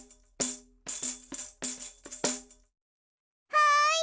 はい！